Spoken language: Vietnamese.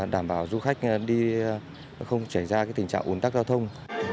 đảm bảo du khách không trở ra tình trạng uốn tắc giao thông